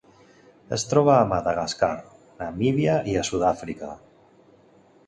Es troba a Madagascar, Namíbia i Sud-àfrica.